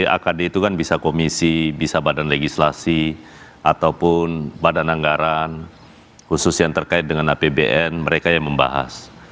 akd itu kan bisa komisi bisa badan legislasi ataupun badan anggaran khusus yang terkait dengan apbn mereka yang membahas